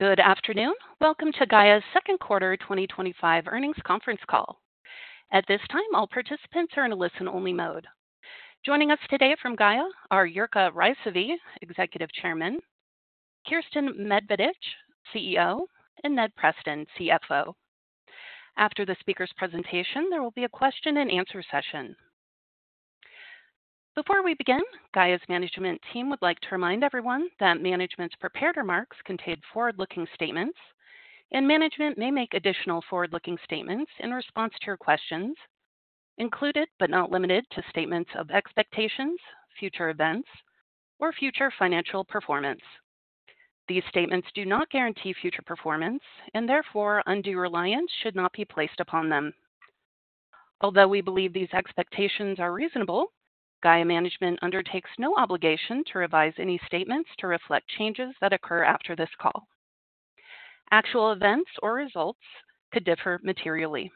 Good afternoon. Welcome to Gaia Inc.'s Second Quarter 2025 Earnings Conference Call. At this time, all participants are in a listen-only mode. Joining us today from Gaia are Jirka Rysavy, Executive Chairman, Kiersten Medvedich, CEO, and Ned Preston, CFO. After the speakers' presentation, there will be a question and answer session. Before we begin, Gaia's management team would like to remind everyone that management's prepared remarks contain forward-looking statements, and management may make additional forward-looking statements in response to your questions, including but not limited to statements of expectations, future events, or future financial performance. These statements do not guarantee future performance, and therefore undue reliance should not be placed upon them. Although we believe these expectations are reasonable, Gaia's management undertakes no obligation to revise any statements to reflect changes that occur after this call. Actual events or results could differ materially.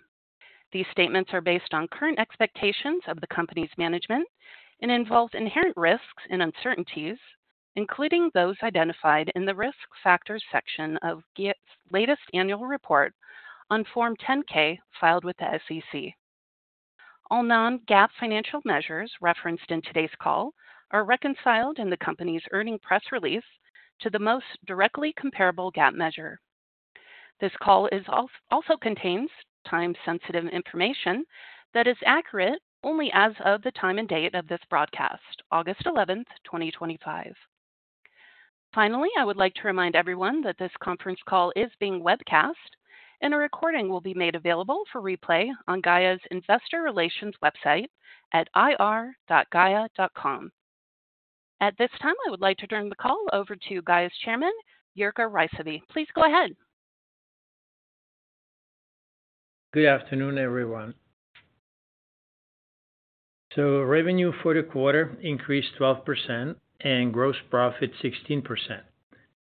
These statements are based on current expectations of the company's management and involve inherent risks and uncertainties, including those identified in the Risk Factors section of Gaia's latest annual report on Form 10-K filed with the SEC. All non-GAAP financial measures referenced in today's call are reconciled in the company's earnings press release to the most directly comparable GAAP measure. This call also contains time-sensitive information that is accurate only as of the time and date of this broadcast, August 11, 2025. Finally, I would like to remind everyone that this conference call is being webcast, and a recording will be made available for replay on Gaia's Investor Relations website at ir.gaia.com. At this time, I would like to turn the call over to Gaia's Chairman, Jirka Rysavy. Please go ahead. Good afternoon, everyone. Revenue for the quarter increased 12% and gross profit 16%.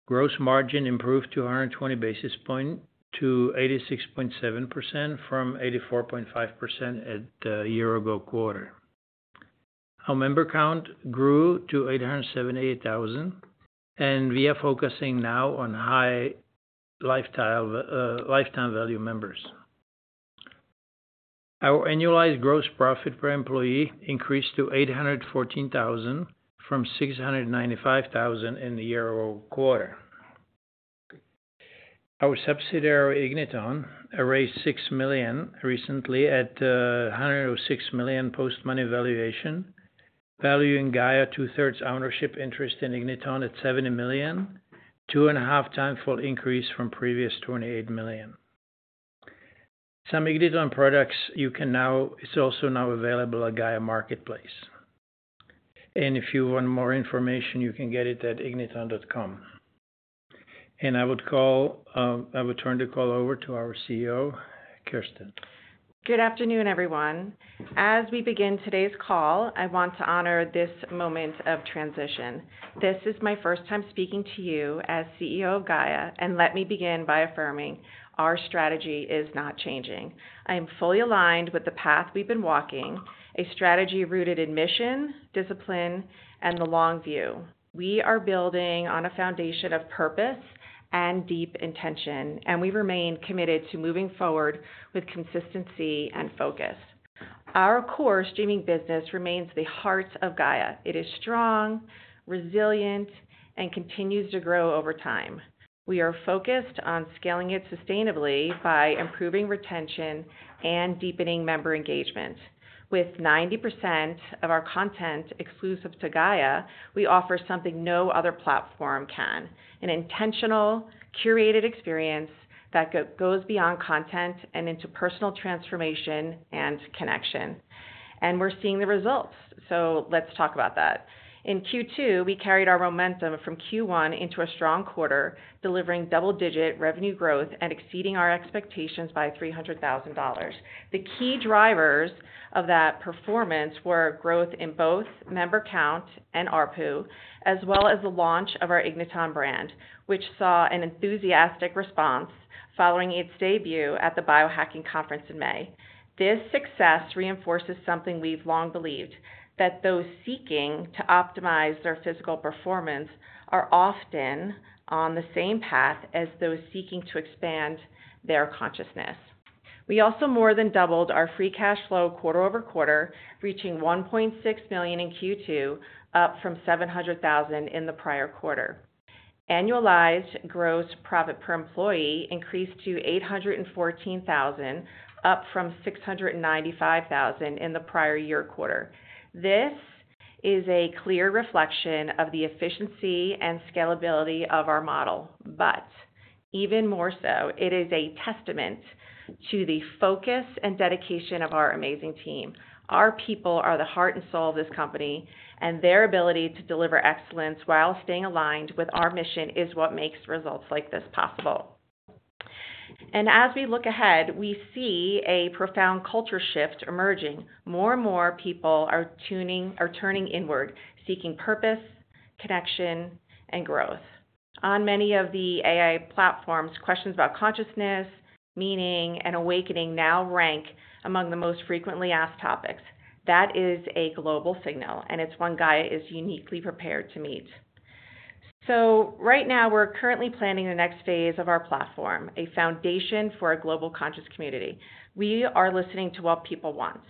Gross margin improved 220 basis points to 86.7% from 84.5% at the year-ago quarter. Our member count grew to 878,000, and we are focusing now on high lifetime value members. Our annualized gross profit per employee increased to $814,000 from $695,000 in the year-ago quarter. Our subsidiary Igniton raised $6 million recently at $106 million post-money valuation, valuing Gaia 2/3 ownership interest in Igniton at $70 million, 2.5x increase from previous $28 million. Some Igniton products are now also available at Gaia Marketplace. If you want more information, you can get it at igniton.com. I would turn the call over to our CEO, Kiersten. Good afternoon, everyone. As we begin today's call, I want to honor this moment of transition. This is my first time speaking to you as CEO of Gaia, and let me begin by affirming our strategy is not changing. I am fully aligned with the path we've been walking, a strategy rooted in mission, discipline, and the long view. We are building on a foundation of purpose and deep intention, and we remain committed to moving forward with consistency and focus. Our core streaming business remains the heart of Gaia. It is strong, resilient, and continues to grow over time. We are focused on scaling it sustainably by improving retention and deepening member engagement. With 90% of our content exclusive to Gaia, we offer something no other platform can: an intentional, curated experience that goes beyond content and into personal transformation and connection. We're seeing the results. In Q2, we carried our momentum from Q1 into a strong quarter, delivering double-digit revenue growth and exceeding our expectations by $300,000. The key drivers of that performance were growth in both member count and ARPU, as well as the launch of our Igniton brand, which saw an enthusiastic response following its debut at the Biohacking Conference in May. This success reinforces something we've long believed: that those seeking to optimize their physical performance are often on the same path as those seeking to expand their consciousness. We also more than doubled our free cash flow quarter-over-quarter, reaching $1.6 million in Q2, up from $700,000 in the prior quarter. Annualized gross profit per employee increased to $814,000, up from $695,000 in the prior year quarter. This is a clear reflection of the efficiency and scalability of our model. Even more so, it is a testament to the focus and dedication of our amazing team. Our people are the heart and soul of this company, and their ability to deliver excellence while staying aligned with our mission is what makes results like this possible. As we look ahead, we see a profound culture shift emerging. More and more people are turning inward, seeking purpose, connection, and growth. On many of the AI platforms, questions about consciousness, meaning, and awakening now rank among the most frequently asked topics. That is a global signal, and it's one Gaia Inc. is uniquely prepared to meet. Right now, we're currently planning the next phase of our platform, a foundation for a global conscious community. We are listening to what people want,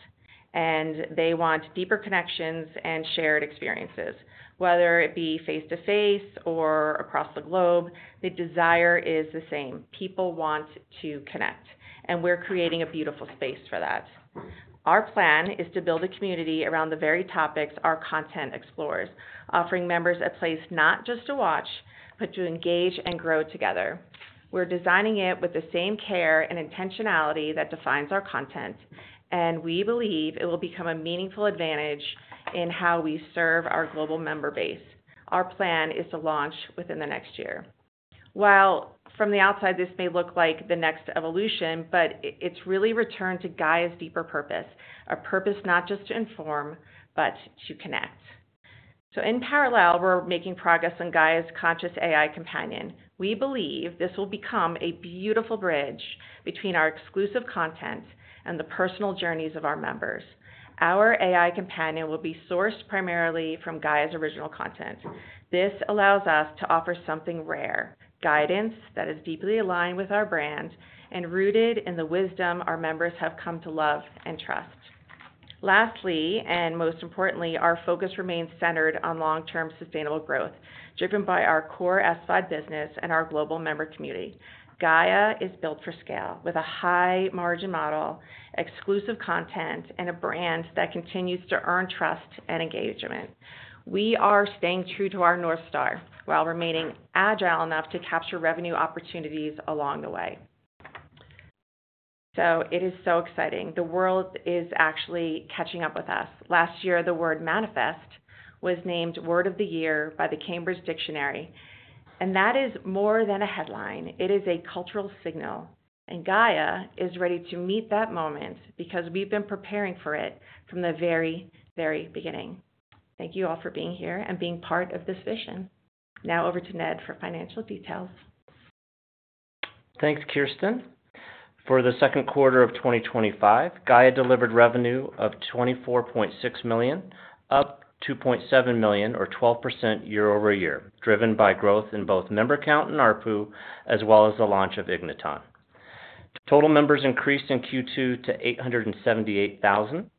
and they want deeper connections and shared experiences. Whether it be face-to-face or across the globe, the desire is the same: people want to connect, and we're creating a beautiful space for that. Our plan is to build a community around the very topics our content explores, offering members a place not just to watch, but to engage and grow together. We're designing it with the same care and intentionality that defines our content, and we believe it will become a meaningful advantage in how we serve our global member base. Our plan is to launch within the next year. While from the outside, this may look like the next evolution, it's really a return to Gaia's deeper purpose, a purpose not just to inform, but to connect. In parallel, we're making progress on Gaia's conscious AI companion. We believe this will become a beautiful bridge between our exclusive content and the personal journeys of our members. Our AI companion will be sourced primarily from Gaia's original content. This allows us to offer something rare: guidance that is deeply aligned with our brand and rooted in the wisdom our members have come to love and trust. Lastly, and most importantly, our focus remains centered on long-term sustainable growth, driven by our core SVOD business and our global member community. Gaia is built for scale, with a high-margin model, exclusive content, and a brand that continues to earn trust and engagement. We are staying true to our North Star while remaining agile enough to capture revenue opportunities along the way. It is so exciting. The world is actually catching up with us. Last year, the word "manifest" was named Word of the Year by the Cambridge Dictionary, and that is more than a headline. It is a cultural signal, and Gaia is ready to meet that moment because we've been preparing for it from the very, very beginning. Thank you all for being here and being part of this vision. Now over to Ned for financial details. Thanks, Kiersten. For the second quarter of 2025, Gaia delivered revenue of $24.6 million, up $2.7 million, or 12% year-over-year, driven by growth in both member count and ARPU, as well as the launch of Igniton. Total members increased in Q2 to 878,000.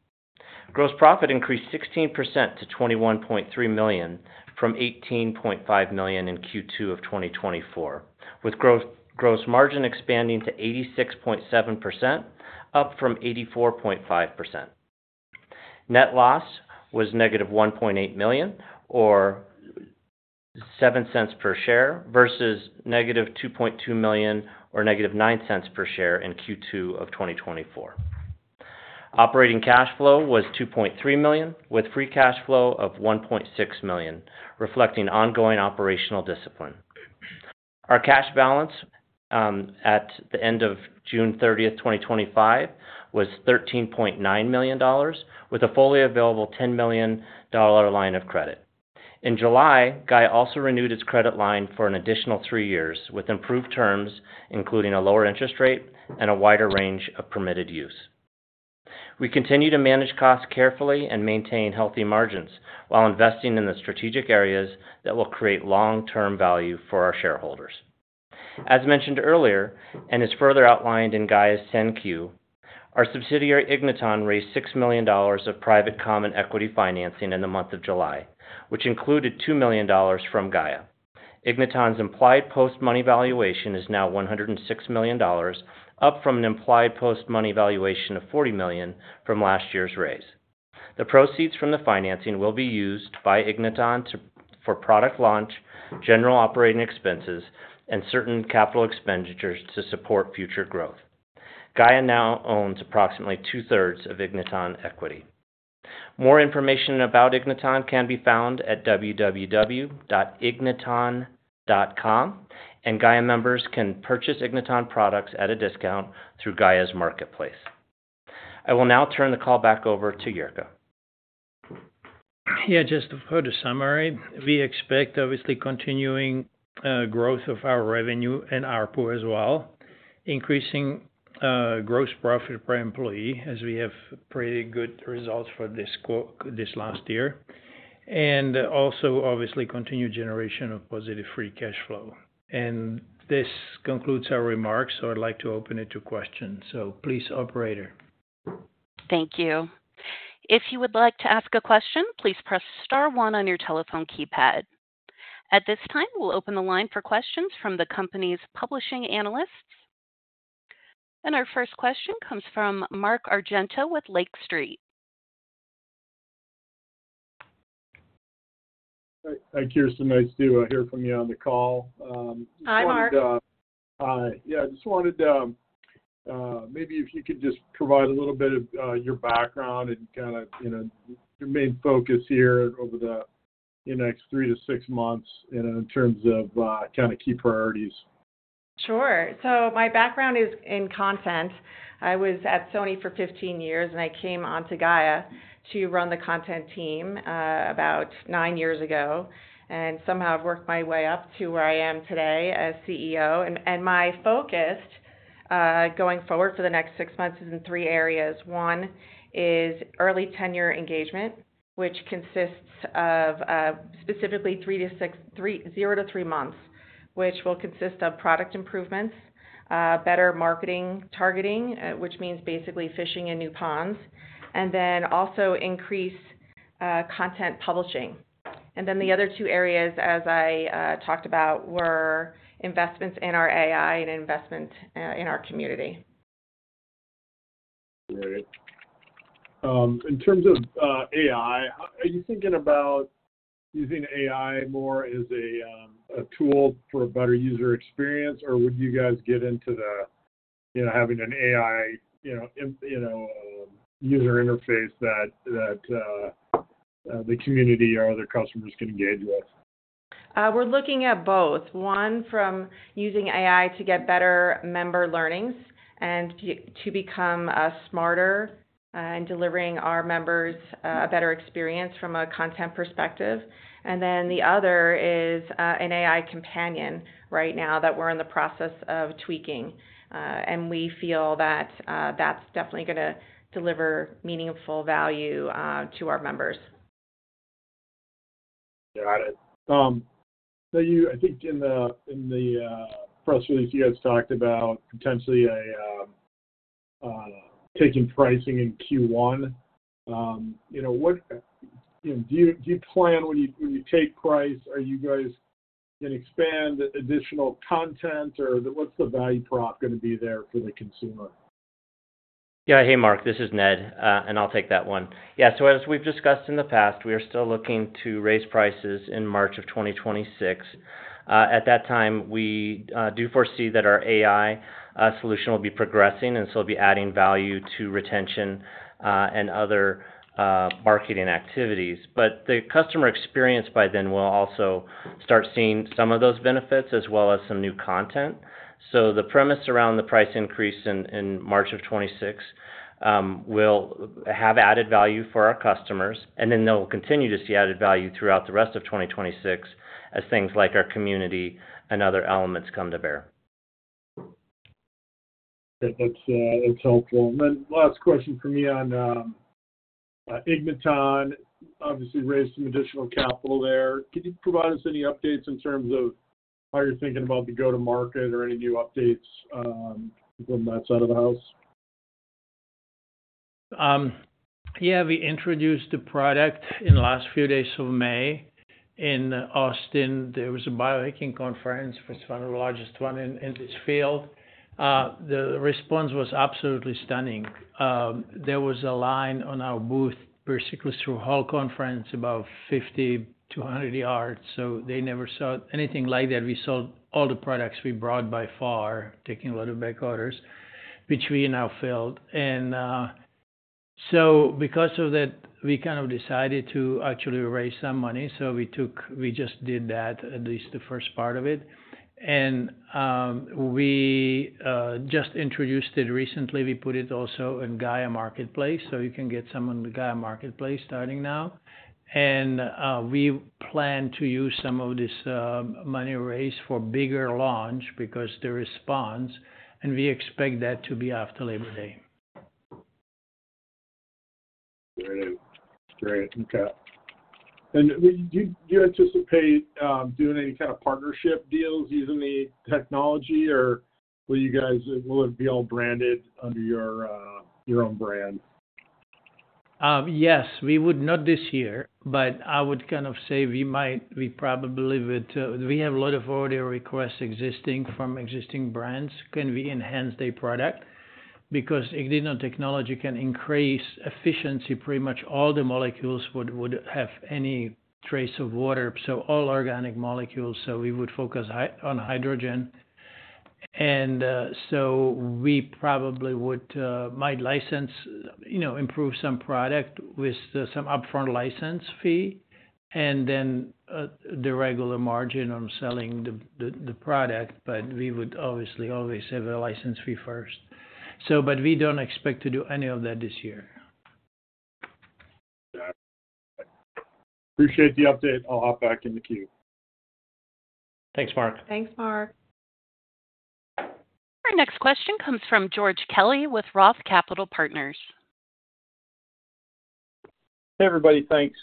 Gross profit increased 16% to $21.3 million from $18.5 million in Q2 of 2024, with gross margin expanding to 86.7%, up from 84.5%. Net loss was -$1.8 million, or $0.07/share, versus -$2.2 million, or -$0.09/share in Q2 of 2024. Operating cash flow was $2.3 million, with free cash flow of $1.6 million, reflecting ongoing operational discipline. Our cash balance at the end of June 30, 2025, was $13.9 million, with a fully available $10 million line of credit. In July, Gaia also renewed its credit line for an additional three years, with improved terms, including a lower interest rate and a wider range of permitted use. We continue to manage costs carefully and maintain healthy margins while investing in the strategic areas that will create long-term value for our shareholders. As mentioned earlier, and as further outlined in Gaia's 10Q, our subsidiary Igniton raised $6 million of private common equity financing in the month of July, which included $2 million from Gaia. Igniton's implied post-money valuation is now $106 million, up from an implied post-money valuation of $40 million from last year's raise. The proceeds from the financing will be used by Igniton for product launch, general operating expenses, and certain capital expenditures to support future growth. Gaia now owns approximately 2/3 of Igniton equity. More information about Igniton can be found at www.igniton.com, and Gaia members can purchase Igniton products at a discount through Gaia's Marketplace. I will now turn the call back over to Jirka. Yeah, just a quick summary. We expect obviously continuing growth of our revenue and ARPU as well, increasing gross profit per employee, as we have pretty good results for this last year, and also obviously continued generation of positive free cash flow. This concludes our remarks, so I'd like to open it to questions. Please, operator. Thank you. If you would like to ask a question, please press star one on your telephone keypad. At this time, we'll open the line for questions from the company's publishing analysts. Our first question comes from Mark Argento with Lake Street Capital Markets. Hi, Kiersten. Nice to hear from you on the call. Hi, Mark. I just wanted maybe if you could provide a little bit of your background and your main focus here over the next three-six months, in terms of key priorities. Sure. My background is in content. I was at Sony for 15 years, and I came onto Gaia to run the content team about nine years ago, and somehow I've worked my way up to where I am today as CEO. My focus going forward for the next six months is in three areas. One is early tenure engagement, which consists of specifically zero-three months, which will consist of product improvements, better marketing targeting, which means basically fishing in new ponds, and also increased content publishing. The other two areas, as I talked about, were investments in our AI and investment in our community. In terms of AI, are you thinking about using AI more as a tool for a better user experience, or would you guys get into the, you know, having an AI, you know, user interface that the community or other customers can engage with? We're looking at both. One from using AI to get better member learnings and to become smarter in delivering our members a better experience from a content perspective. The other is an AI companion right now that we're in the process of tweaking, and we feel that that's definitely going to deliver meaningful value to our members. Got it. In the press release, you guys talked about potentially taking pricing in Q1. Do you plan when you take price, are you guys expand additional content, or what's the value prop going to be there for the consumer? Yeah, hey Mark, this is Ned, and I'll take that one. As we've discussed in the past, we are still looking to raise prices in March of 2026. At that time, we do foresee that our AI solution will be progressing, and we'll be adding value to retention and other marketing activities. The customer experience by then will also start seeing some of those benefits, as well as some new content. The premise around the price increase in March of 2026 will have added value for our customers, and they'll continue to see added value throughout the rest of 2026 as things like our community and other elements come to bear. That's helpful. Last question from you on Igniton, obviously raised some additional capital there. Can you provide us any updates in terms of how you're thinking about the go-to-market or any new updates from that side of the house? Yeah, we introduced the product in the last few days of May. In Austin, there was a Biohacking Conference, which is one of the largest ones in this field. The response was absolutely stunning. There was a line on our booth basically through the whole conference, about 50, 200 yards, so they never saw anything like that. We sold all the products we brought by far, taking a lot of back orders between our fields. Because of that, we kind of decided to actually raise some money, so we took, we just did that, at least the first part of it. We just introduced it recently. We put it also in Gaia Marketplace, so you can get some on the Gaia Marketplace starting now. We plan to use some of this money raised for a bigger launch because of the response, and we expect that to be after Labor Day. Very good. Very good. Okay. Do you anticipate doing any kind of partnership deals using the technology, or will you guys, will it be all branded under your own brand? Yes, we would not this year, but I would kind of say we might, we probably would. We have a lot of order requests existing from existing brands. Can we enhance their product? Because Igniton technology can increase efficiency, pretty much all the molecules would have any trace of water, so all organic molecules, so we would focus on hydrogen. We probably would, might license, you know, improve some product with some upfront license fee, and then the regular margin on selling the product. We would obviously always have a license fee first. We don't expect to do any of that this year. Appreciate the update. I'll hop back in the queue. Thanks, Mark. Thanks, Mark. Our next question comes from George Kelly with ROTH Capital Partners. Hey everybody, thanks.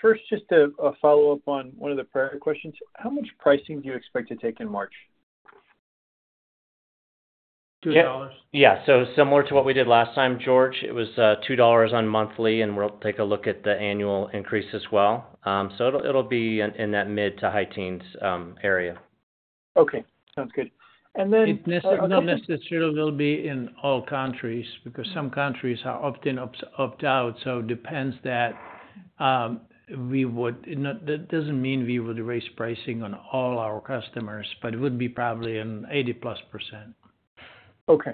First, just a follow-up on one of the prior questions. How much pricing do you expect to take in March? Yeah, similar to what we did last time, George, it was $2 on monthly, and we'll take a look at the annual increase as well. It will be in that mid to high teens area. Okay, sounds good. Not necessarily it'll be in all countries, because some countries are opting out. It depends that we would, it doesn't mean we would raise pricing on all our customers, but it would be probably an 80+%. Okay.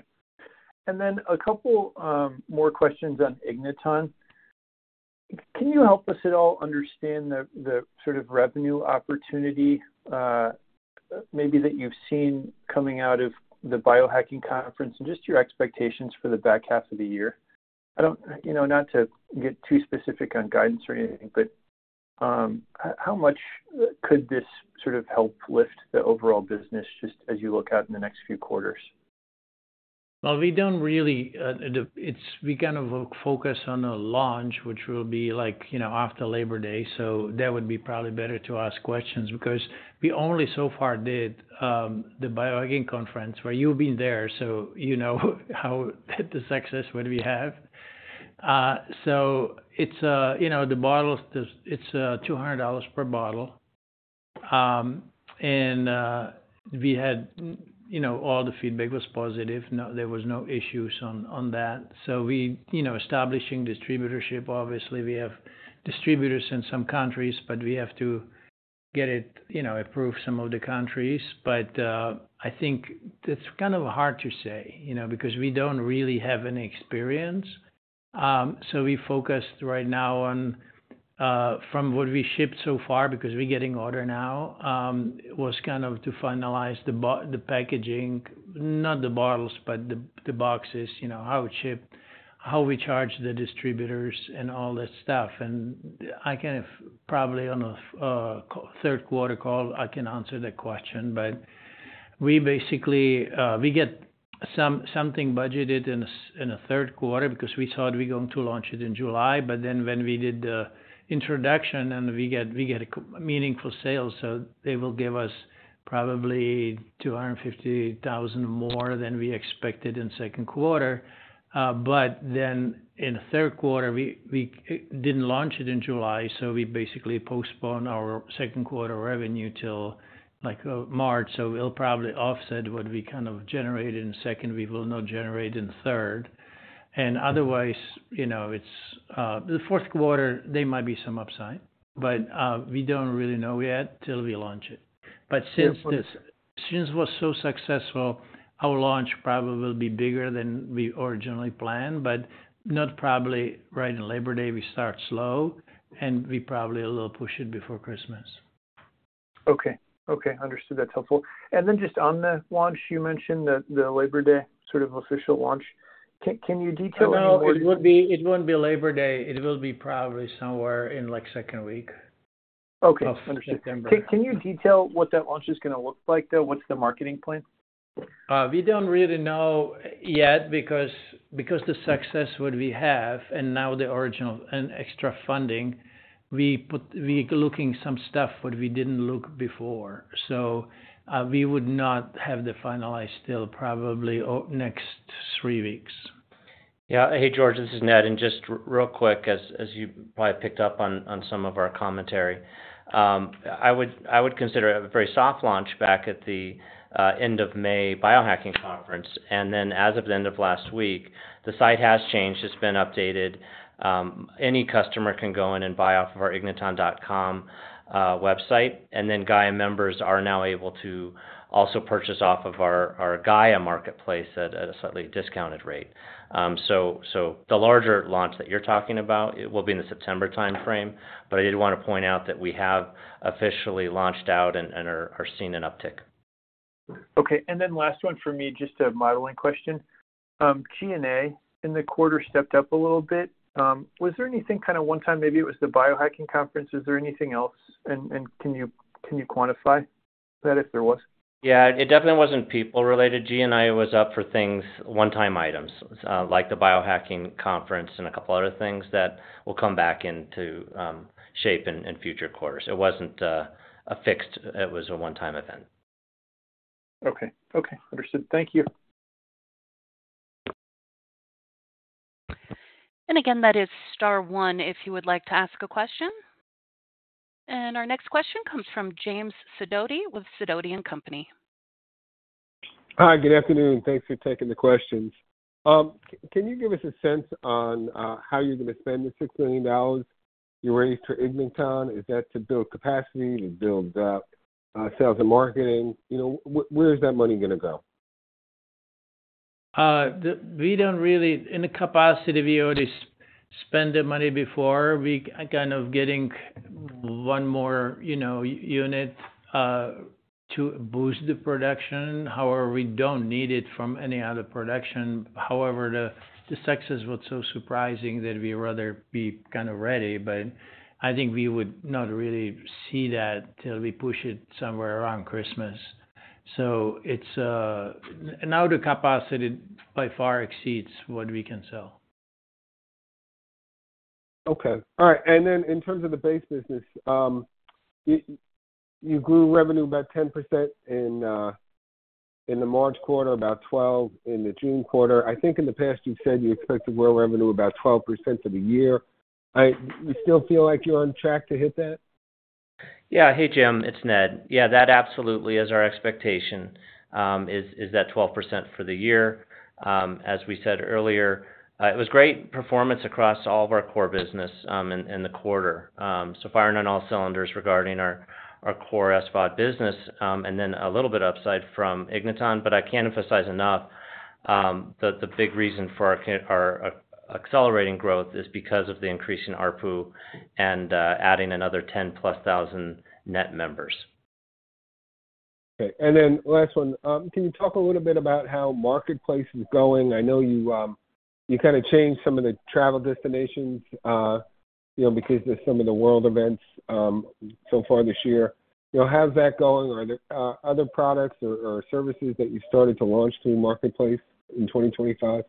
A couple more questions on Igniton. Can you help us at all understand the sort of revenue opportunity maybe that you've seen coming out of the Biohacking Conference and just your expectations for the back half of the year? I don't, you know, not to get too specific on guidance or anything, but how much could this sort of help lift the overall business just as you look out in the next few quarters? We don't really, it's, we kind of focus on the launch, which will be like, you know, after Labor Day, so that would be probably better to ask questions because we only so far did the Biohacking Conference where you've been there, so you know how the success would we have. It's, you know, the bottles, it's $200/bottle, and we had, you know, all the feedback was positive. There was no issues on that. We, you know, establishing distributorship, obviously we have distributors in some countries, but we have to get it, you know, approved in some of the countries. I think it's kind of hard to say, you know, because we don't really have any experience. We focused right now on, from what we shipped so far, because we're getting order now, was kind of to finalize the packaging, not the bottles, but the boxes, you know, how it's shipped, how we charge the distributors, and all that stuff. I can probably on a third quarter call, I can answer that question, but we basically, we get something budgeted in a third quarter because we thought we were going to launch it in July, but then when we did the introduction and we get meaningful sales, so they will give us probably $250,000 more than we expected in the second quarter. In the third quarter, we didn't launch it in July, so we basically postponed our second quarter revenue till like March, so it'll probably offset what we kind of generated in the second, we will not generate in the third. Otherwise, you know, it's the fourth quarter, there might be some upside, but we don't really know yet till we launch it. Since this was so successful, our launch probably will be bigger than we originally planned, but not probably right in Labor Day. We start slow, and we probably will push it before Christmas. Okay, okay, understood. That's helpful. Just on the launch, you mentioned the Labor Day sort of official launch. Can you detail that? It won't be Labor Day. It will be probably somewhere in the second week. Okay, understood. Can you detail what that launch is going to look like though? What's the marketing plan? We don't really know yet because the success what we have and now the original and extra funding, we put we're looking at some stuff what we didn't look before. We would not have the finalized till probably next three weeks. Yeah, hey George, this is Ned, and just real quick, as you probably picked up on some of our commentary, I would consider a very soft launch back at the end of May Biohacking Conference. As of the end of last week, the site has changed. It's been updated. Any customer can go in and buy off of our igniton.com website, and Gaia members are now able to also purchase off of our Gaia Marketplace at a slightly discounted rate. The larger launch that you're talking about will be in the September timeframe, but I did want to point out that we have officially launched out and are seeing an uptick. Okay, and then last one for me, just a modeling question. G&A in the quarter stepped up a little bit. Was there anything kind of one time, maybe it was the Biohacking Conference? Is there anything else? Can you quantify that if there was? Yeah, it definitely wasn't people-related. G&A was up for things, one-time items like the Biohacking Conference and a couple other things that will come back into shape in future quarters. It wasn't a fixed, it was a one-time event. Okay, understood. Thank you. That is star one if you would like to ask a question. Our next question comes from James Sidoti with Sidoti & Company. Hi, good afternoon. Thanks for taking the questions. Can you give us a sense on how you're going to spend the $6 million you raised for Igniton? Is that to build capacity, to build sales and marketing? Where is that money going to go? We don't really, in the capacity, we already spent the money before. We're kind of getting one more, you know, unit to boost the production. However, we don't need it from any other production. The success was so surprising that we'd rather be kind of ready, but I think we would not really see that till we push it somewhere around Christmas. It is now the capacity by far exceeds what we can sell. Okay, all right. In terms of the base business, you grew revenue about 10% in the March quarter, about 12% in the June quarter. I think in the past you've said you expect to grow revenue about 12% for the year. Do we still feel like you're on track to hit that? Yeah, hey Jim, it's Ned. That absolutely is our expectation, is that 12% for the year. As we said earlier, it was great performance across all of our core business in the quarter. Firing on all cylinders regarding our core SVOD business, and then a little bit of upside from Igniton. I can't emphasize enough that the big reason for our accelerating growth is because of the increase in ARPU and adding another 10,000+ net members. Okay, and then last one, can you talk a little bit about how Marketplace is going? I know you kind of changed some of the travel destinations, you know, because there's some of the world events so far this year. You know, how's that going? Are there other products or services that you started to launch to Marketplace in 2025?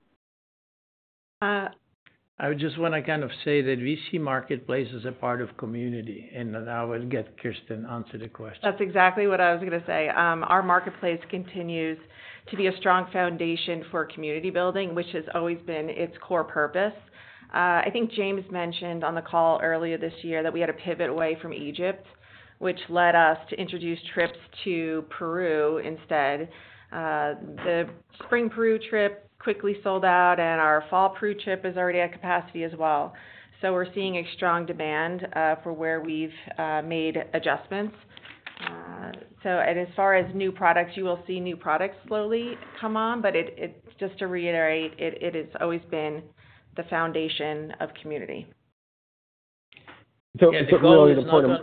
I would just want to say that we see Marketplace as a part of community, and now we'll get Kiersten to answer the question. That's exactly what I was going to say. Our Marketplace continues to be a strong foundation for community building, which has always been its core purpose. I think James mentioned on the call earlier this year that we had a pivot away from Egypt, which led us to introduce trips to Peru instead. The spring Peru trip quickly sold out, and our fall Peru trip is already at capacity as well. We are seeing a strong demand for where we've made adjustments. As far as new products, you will see new products slowly come on, but just to reiterate, it has always been the foundation of community. Clearly, the point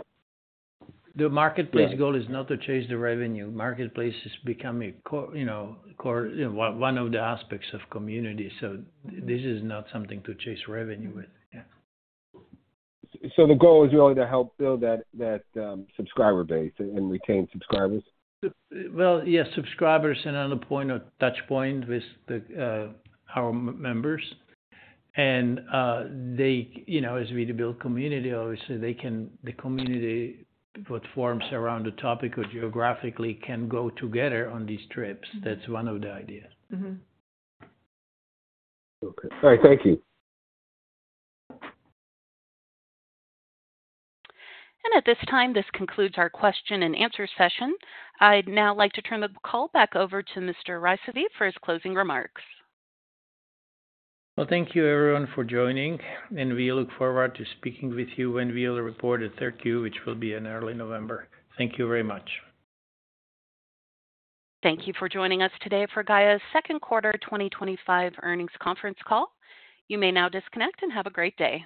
of the Marketplace goal is not to chase the revenue. Marketplace has become a core, you know, one of the aspects of community, so this is not something to chase revenue with. The goal is really to help build that subscriber base and retain subscribers? Subscribers and on the point of touchpoint with our members, as we build community, obviously they can, the community that forms around a topic or geographically can go together on these trips. That's one of the ideas. Okay, all right, thank you. At this time, this concludes our question and answer session. I'd now like to turn the call back over to Mr. Rysavy for his closing remarks. Thank you everyone for joining, and we look forward to speaking with you when we report third Q, which will be in early November. Thank you very much. Thank you for joining us today for Gaia Inc.'s Second Quarter 2025 Earnings Conference Call. You may now disconnect and have a great day.